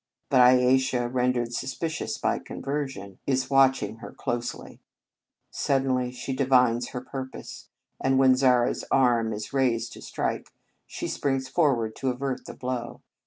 But Ayesha, rendered suspicious by conversion, is watching her closely. Suddenly she divines her purpose, and, when Zara s arm is raised to strike, she springs forward to avert the blow.